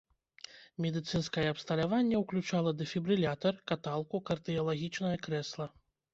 Медыцынскае абсталяванне ўключала дэфібрылятар, каталку, кардыялагічнае крэсла.